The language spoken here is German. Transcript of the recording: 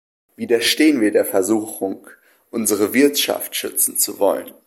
Widerstehen wir der Versuchung, unsere Wirtschaft schützen zu wollen!